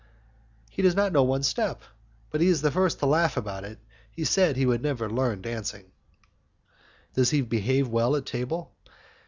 "He does not know one step, but he is the first to laugh about it; he says he never would learn dancing." "Does he behave well at table?"